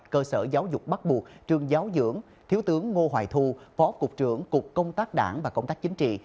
cơ sở giáo dục bắt buộc trường giáo dưỡng thiếu tướng ngô hoài thu phó cục trưởng cục công tác đảng và công tác chính trị